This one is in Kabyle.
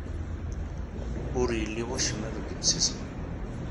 Ur yelli wacemma deg yemsismeḍ.